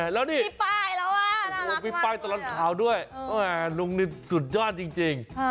แล้วนี่มีปลายละว่าน่ารักมากเลยอะมีปลายตลอดขาวด้วยเออลุงนิดสุดยอดจริง